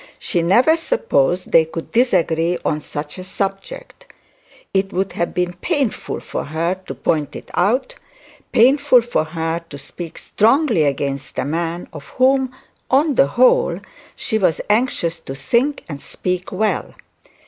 She never supposed they could disagree on such a subject. It would have been painful for to point it out, painful to her to speak strongly against a man of whom, on the whole she was anxious to think and speak well.